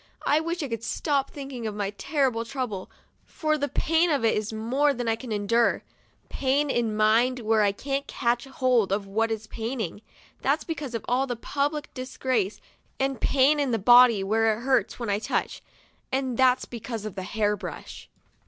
I wish I could stop thinking of my terrible trouble, for the pain of it is more than I can endure; pain in my mind where I can*t catch hold of what's paining ; that's because of the public disgrace, and pain in the body, where it hurts when I touch, and that's because of the hair brush.